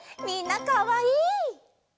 みんなかわいい！